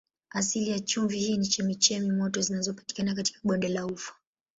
Asili ya chumvi hii ni chemchemi moto zinazopatikana katika bonde la Ufa.